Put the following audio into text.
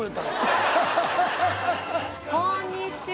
こんにちは。